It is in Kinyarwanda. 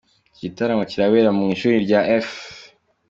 Iki gitaramo kirabera mu ishuri rya F.